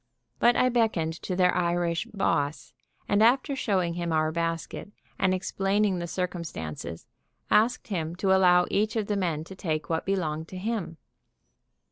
But I beckoned to their Irish "boss," and after showing him our basket and explaining the circumstances, asked him to allow each of the men to take what belonged to him.